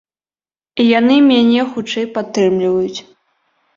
Яны мяне хутчэй падтрымліваюць.